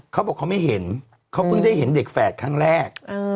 เขาบอกเขาไม่เห็นเขาเพิ่งได้เห็นเด็กแฝดครั้งแรก